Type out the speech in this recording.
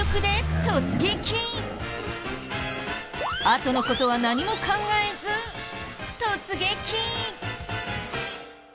あとの事は何も考えず突撃！